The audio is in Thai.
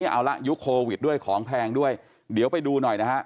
เอาละยุคโควิดด้วยของแพงด้วยเดี๋ยวไปดูหน่อยนะฮะ